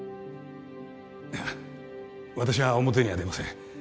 いや私は表には出ません